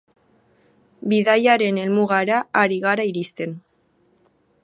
Bidaiaren helmugara ari gara iristen.